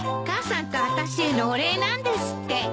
母さんと私へのお礼なんですって。